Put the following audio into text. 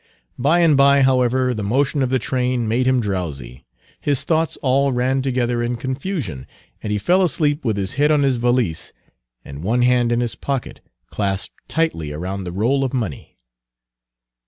By and by, however, the motion of the train made him drowsy; his thoughts all ran together in confusion; and he fell asleep with his head on his valise, and one hand in his pocket, clasped tightly around the roll of money.